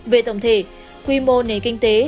về tổng thể quy mô nền kinh tế